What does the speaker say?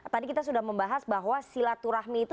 tadi kita sudah membahas bahwa silaturahmi itu